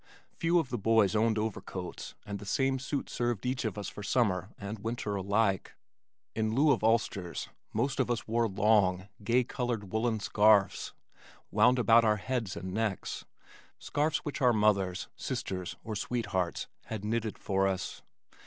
Few of the boys owned overcoats and the same suit served each of us for summer and winter alike. In lieu of ulsters most of us wore long, gay colored woolen scarfs wound about our heads and necks scarfs which our mothers, sisters or sweethearts had knitted for us.